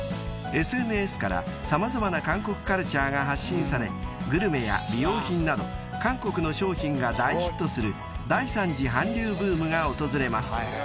［ＳＮＳから様々な韓国カルチャーが発信されグルメや美容品など韓国の商品が大ヒットする第３次韓流ブームが訪れます］